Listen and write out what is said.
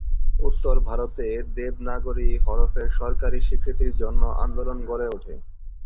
উত্তর ভারতে দেবনাগরী হরফের সরকারি স্বীকৃতির জন্য আন্দোলন গড়ে উঠে।